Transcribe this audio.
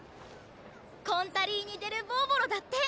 コンタリーニデルボーヴォロだって。